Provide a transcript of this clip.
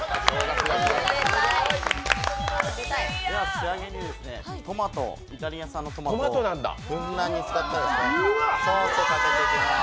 仕上げにトマト、イタリア産のトマトをふんだんに使ったソース、かけていきます。